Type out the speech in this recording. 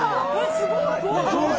すごい！